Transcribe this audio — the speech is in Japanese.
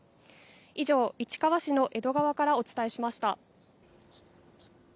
以上、市川市の江戸川からお伝えしました。